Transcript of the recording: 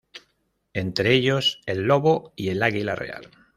Entre ellos, el lobo y el águila real.